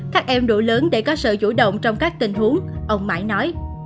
các em đủ lớn để có sự chủ động trong các tình huống ông mãi nói